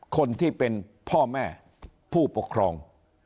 คนที่เป็นพ่อแม่ผู้ปกครอง